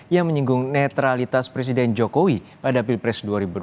yang menyinggung netralitas presiden jokowi pada pilpres dua ribu dua puluh